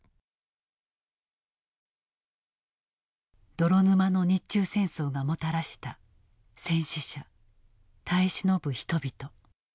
泥沼の日中戦争がもたらした戦死者耐え忍ぶ人々。